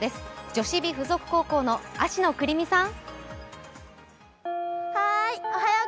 女子美付属高校の芦野来璃美さん。